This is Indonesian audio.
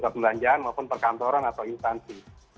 perbelanjaan maupun perkantoran atau instansi